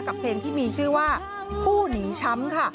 เพลงที่มีชื่อว่าผู้หนีช้ำค่ะ